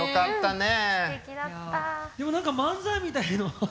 でも何か漫才みたいの挟まって。